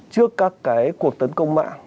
trước các cái cuộc tấn công mạng